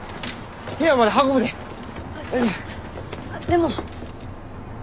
でも。